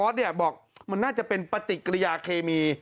ออ๊อสบอกว่ามันน่าจะเป็นปฏิกิริยาเคมี